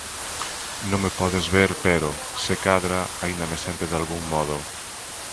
Non me podes ver pero, se cadra, aínda me sentes dalgún modo.